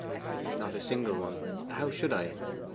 'Not a single one: how should I?